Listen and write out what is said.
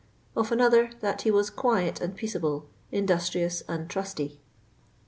'^ Of another, that he wa9 «« quiet and peaceable, industrious and trusty."